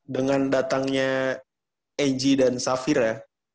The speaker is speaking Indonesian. dengan datangnya egy dan safira